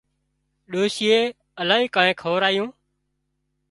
ڏوشيئي الاهي ڪانيئن کورايون